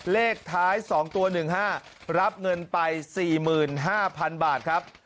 เลขท้าย๒ตัว๑๕รับเงินไป๔๕๐๐๐บาทครับ